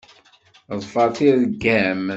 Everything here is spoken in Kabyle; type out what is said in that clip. Ḍfeṛ tirga-m.